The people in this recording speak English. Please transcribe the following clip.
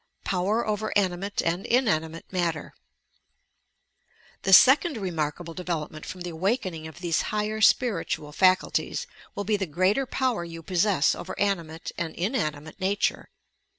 POWER OVEB ANIMATE AND INAKIUATB HATTZB The second remarkable development from the awak ening of these higher spiritual faculties will be the greater power you possess over animate and inanimate nature.